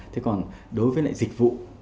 thế còn đối với lại dịch vụ